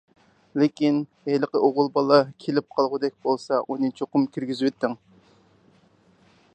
لېكىن، ھېلىقى ئوغۇل بالا كېلىپ قالغۇدەك بولسا، ئۇنى چوقۇم كىرگۈزۈۋېتىڭ.